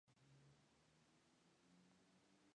Pertenece a la diócesis de Alcalá de Henares.